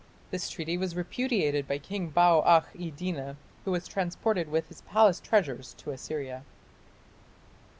This treaty was repudiated by King Bau akh iddina, who was transported with his palace treasures to Assyria.